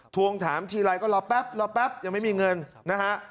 ทวงถามทีไรก็รอแป๊บรอแป๊บยังไม่มีเงินนะฮะ